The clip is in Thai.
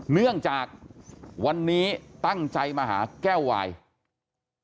เนื่องจากวันนี้ตั้งใจมาหาแก้ววาย